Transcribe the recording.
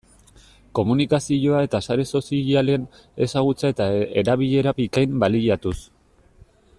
Komunikazioa eta sare sozialen ezagutza eta erabilera bikain baliatuz.